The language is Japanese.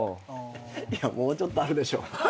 いやもうちょっとあるでしょ。